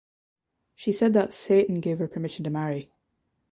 She said that Satan gave her permission to marry.